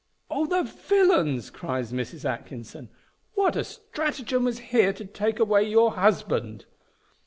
"O, the villains!" cries Mrs. Atkinson, "what a stratagem was here to take away your husband!"